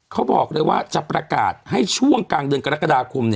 เขาบอกเลยว่าจะประกาศให้ช่วงกลางเดือนกรกฎาคม